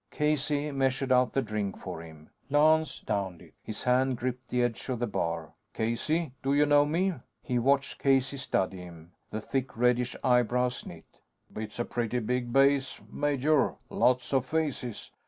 Casey measured out the drink for him. Lance downed it. His hand gripped the edge of the bar. "Casey, do you know me?" He watched Casey study him. The thick reddish eyebrows knit. "It's a pretty big base, major. Lots of faces.